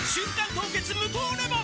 凍結無糖レモン」